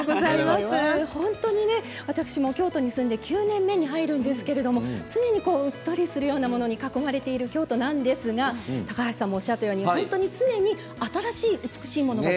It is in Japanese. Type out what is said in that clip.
本当に私も京都に住んで９年目に入るんですけれど常にうっとりするようなものに囲まれている京都なんですが高橋さんもおっしゃったように常に新しい、美しいものが。